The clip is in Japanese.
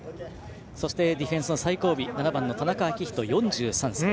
そしてディフェンスの最後尾７番、田中章仁は４３歳。